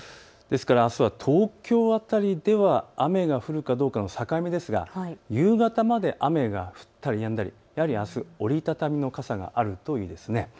あすは東京辺りでは雨が降るかどうかの境目ですが、夕方まで雨が降ったりやんだり、やはりあす折り畳みの傘があるといいです。